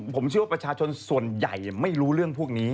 ผมเชื่อว่าประชาชนส่วนใหญ่ไม่รู้เรื่องพวกนี้